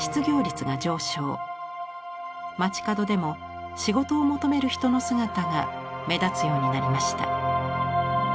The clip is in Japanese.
街角でも仕事を求める人の姿が目立つようになりました。